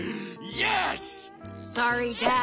よし。